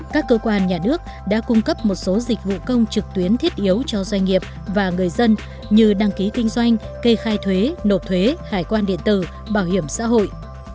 các cơ quan nhà nước đã cung cấp một số dịch vụ công trực tuyến thiết yếu cho doanh nghiệp và người dân như đăng ký kinh doanh kê khai thuế nộp thuế hải quan điện tử bảo hiểm xã hội